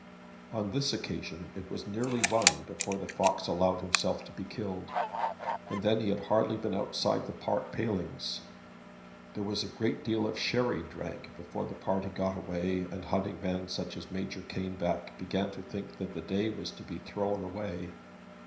On this occasion it was nearly one before the fox allowed himself to be killed, and then he had hardly been outside the park palings. There was a good deal of sherry drank before the party got away and hunting men such as Major Caneback began to think that the day was to be thrown away.